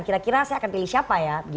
kira kira saya akan pilih siapa ya